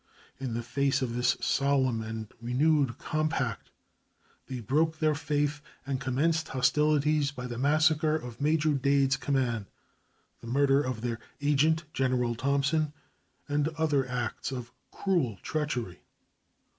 In the face of this solemn and renewed compact they broke their faith and commenced hostilities by the massacre of Major Dade's command, the murder of their agent, General Thompson, and other acts of cruel treachery.